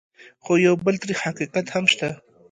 خو یو بل تريخ حقیقت هم شته: